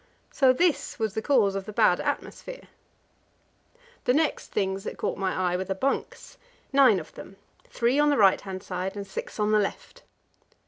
So this was the cause of the bad atmosphere. The next things that caught my eye were the bunks nine of them: three on the right hand and six on the left.